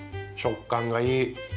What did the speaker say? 食感がいい。